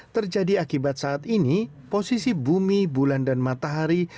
terjadi akibat saat ini posisi bumi bulan dan matahari